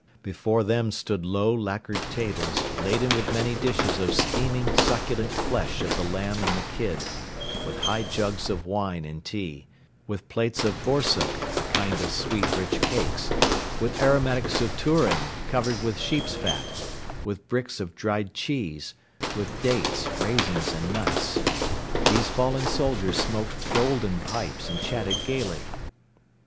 Before them stood low, lacquered tables laden with many dishes of steaming, succulent flesh of the lamb and the kid, with high jugs of wine and tea, with plates of borsuk, a kind of sweet, rich cakes, with aromatic zatouran covered with sheep's fat, with bricks of dried cheese, with dates, raisins and nuts. These fallen soldiers smoked golden pipes and chatted gaily.